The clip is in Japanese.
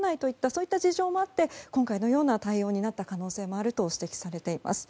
そういった事情もあって今回のような対応になった可能性もあると指摘されています。